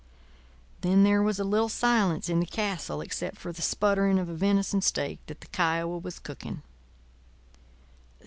Then there was a little silence in the castle except for the spluttering of a venison steak that the Kiowa was cooking.